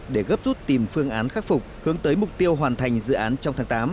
để gấp rút tìm phương án khắc phục hướng tới mục tiêu hoàn thành dự án trong tháng tám